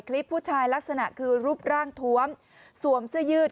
คลิปผู้ชายลักษณะคือรูปร่างทวมสวมเสื้อยืด